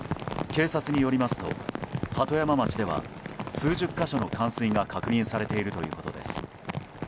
警察によりますと鳩山町では数十か所の冠水が確認されているということです。